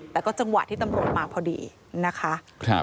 แต่ก็จังหวะที่ตำรวจมาพอดีนะคะ